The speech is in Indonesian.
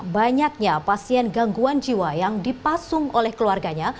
banyaknya pasien gangguan jiwa yang dipasung oleh keluarganya